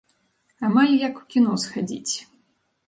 Амаль як у кіно схадзіць.